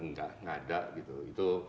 enggak gak ada gitu